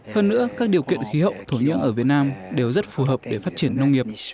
hơn nữa các điều kiện khí hậu thổ nhưỡng ở việt nam đều rất phù hợp để phát triển nông nghiệp